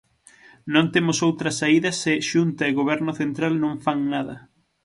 Non temos outra saída se Xunta e Goberno central non fan nada.